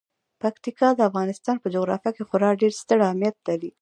پکتیکا د افغانستان په جغرافیه کې خورا ډیر ستر اهمیت لري.